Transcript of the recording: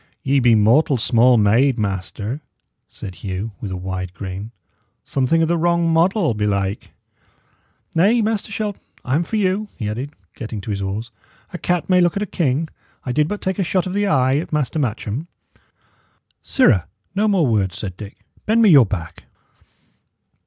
"Ye be mortal small made, master," said Hugh, with a wide grin; "something o' the wrong model, belike. Nay, Master Shelton, I am for you," he added, getting to his oars. "A cat may look at a king. I did but take a shot of the eye at Master Matcham." "Sirrah, no more words," said Dick. "Bend me your back."